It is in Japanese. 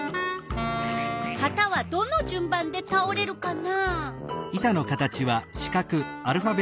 はたはどのじゅん番でたおれるかな？